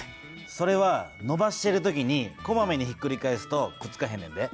それはのばしてる時にこまめにひっくり返すとくっつかへんねんで。